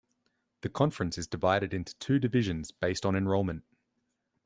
The conference is divided into two divisions, based on enrollment.